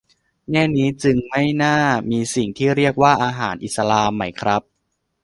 แง่นี้จึงไม่น่ามีสิ่งที่เรียกว่า "อาหารอิสลาม" ไหมครับ